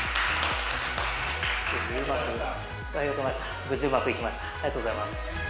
ありがとうございます。